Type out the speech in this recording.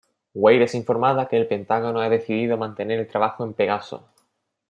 Weir es informada que el Pentágono ha decidido mantener el trabajo en Pegaso.